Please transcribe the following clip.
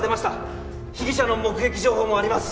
被疑者の目撃情報もあります。